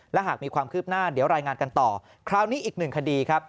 และหากมีความคืบหน้าเดี๋ยวรายงานกันต่อคราวนี้อีกหนึ่งคดีครับ